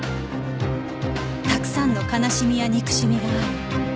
たくさんの悲しみや憎しみがある